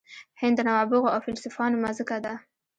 هند د نوابغو او فیلسوفانو مځکه ده.